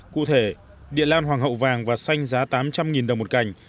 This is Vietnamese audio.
cụ thể địa lan hoàng hậu vàng và xanh giá tám trăm linh đồng một cành